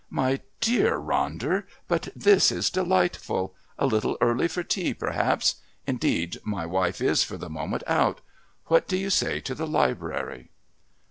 "My dear Ronder! But this is delightful. A little early for tea, perhaps. Indeed, my wife is, for the moment, out. What do you say to the library?"